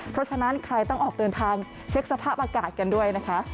เพราะฉะนั้นใครต้องออกเดินทางเช็คสภาพอากาศกันด้วยนะคะ